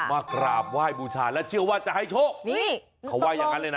มากราบไหว้บูชาและเชื่อว่าจะให้โชคนี่เขาว่าอย่างนั้นเลยนะ